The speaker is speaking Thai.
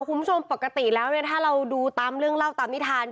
คุณผู้ชมปกติแล้วถ้าเราดูตามเรื่องเล่าตามนิทาน